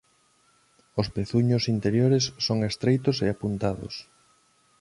Os pezuños interiores son estreitos e apuntados.